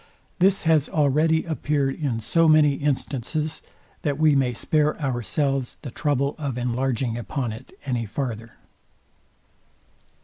This has already appeared in so many instances, that we may spare ourselves the trouble of enlarging upon it any farther.